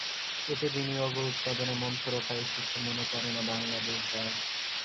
এতে বিনিয়োগ ও উৎপাদনে মন্থরতা এসেছে মনে করে না বাংলাদেশ ব্যাংক।